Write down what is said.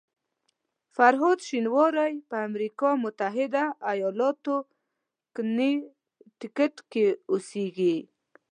فرهاد شینواری په امریکا متحده ایالاتو کنیټیکټ کې اوسېږي.